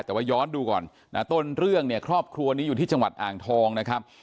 แต่ว่าย้อนดูก่อนนะต้นเรื่องเนี่ยครอบครัวนี้อยู่ที่จังหวัดอ่างทองนะครับ